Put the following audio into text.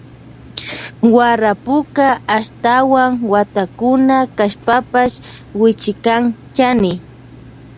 Warapuka ashtawan watakuna kashpapash wichikan chani.